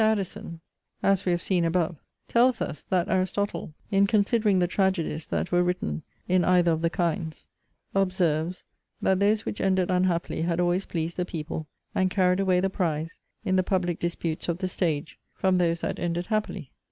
Addison, as we have seen above, tells us, that Aristotle, in considering the tragedies that were written in either of the kinds, observes, that those which ended unhappily had always pleased the people, and carried away the prize, in the public disputes of the stage, from those that ended happily.